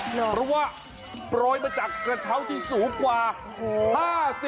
เพราะว่าโปรยมาจากกระเช้าที่สูงกว่า